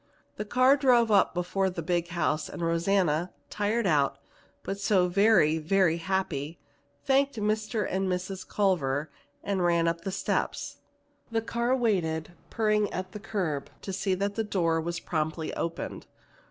The car drove up before the big house, and Rosanna, tired out, but so very, very happy, thanked Mr. and Mrs. Culver and ran up the steps. The car waited, purring at the curb, to see that the door was promptly opened.